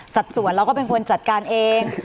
สัดส่วนเราก็เป็นคนจัดการเอง